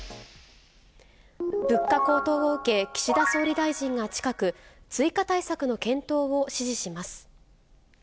物価高騰を受け、岸田総理大臣が近く、追加対策の検討を指示します。